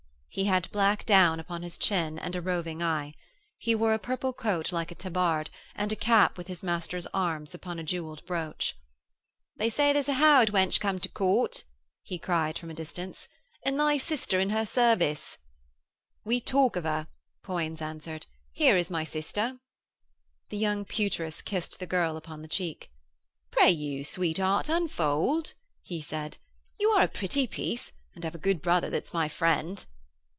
He had black down upon his chin and a roving eye. He wore a purple coat like a tabard, and a cap with his master's arms upon a jewelled brooch. 'They say there's a Howard wench come to Court,' he cried from a distance, 'and thy sister in her service.' 'We talk of her,' Poins answered. 'Here is my sister.' The young Pewtress kissed the girl upon the cheek. 'Pray, you, sweetheart, unfold,' he said. 'You are a pretty piece, and have a good brother that's my friend.'